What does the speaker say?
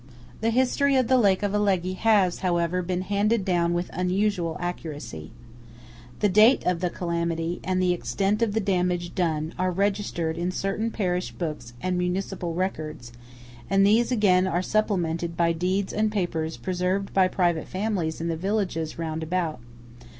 The history of the lake of Alleghe has, however, been handed down with unusual accuracy. The date of the calamity, and the extent of the damage done, are registered in certain parish books and municipal records; and these again are supplemented by deeds and papers preserved by private families in the villages round about.